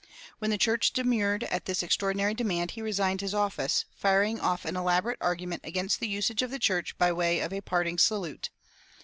When the church demurred at this extraordinary demand he resigned his office, firing off an elaborate argument against the usage of the church by way of a parting salute.